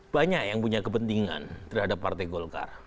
banyak yang punya kepentingan terhadap partai golkar